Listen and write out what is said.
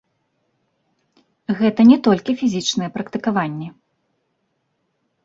Гэта не толькі фізічныя практыкаванні.